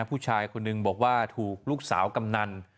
ผู้ชายคนหนึ่งบอกว่าถูกลูกสาวกำนัน